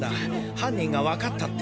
犯人がわかったって。